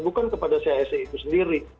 bukan kepada chse itu sendiri